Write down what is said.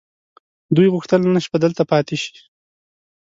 دوی غوښتل نن شپه دلته پاتې شي.